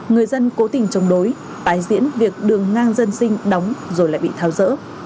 người dân cố tình chống đối tái diễn việc đường ngang dân sinh đóng rồi lại bị tháo rỡ